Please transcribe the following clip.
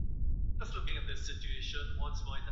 لاس لیکنه د انسان د تفکر انعکاس دی.